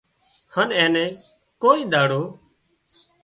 هانَ اين نين ڪوئي ۮاڙو